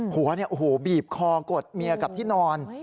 หัวบีบคอกดเมียกับที่นอน